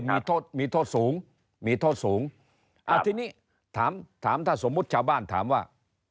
สำคัญคือมีโทษมีโทษสูงทีนี้ถามถ้าสมมุติชาวบ้านถามว่า